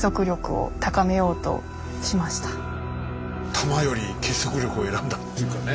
弾より結束力を選んだっていうかね。